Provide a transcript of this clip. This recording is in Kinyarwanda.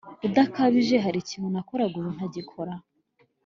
udakabije harikintu nakoraga ubu ntagikora?"